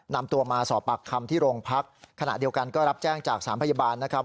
นำตัวมาสอบปากคำที่โรงพักขณะเดียวกันก็รับแจ้งจากสารพยาบาลนะครับ